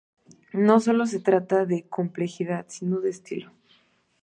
No solo se trata de complejidad, sino de estilo.